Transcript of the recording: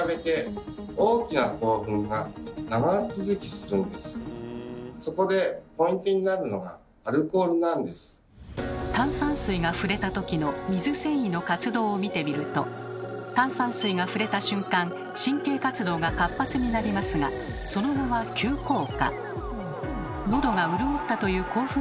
そしてそこで炭酸水が触れた時の水線維の活動を見てみると炭酸水が触れた瞬間神経活動が活発になりますがその後は急降下。